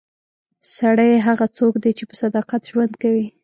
سړی هغه څوک دی چې په صداقت ژوند کوي.